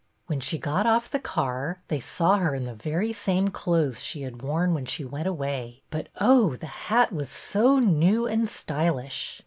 When she got off the car they saw her in the very same clothes she had worn when she went away, but, oh, the hat was so new and styl ish!